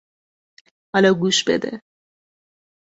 حالا گوش بده!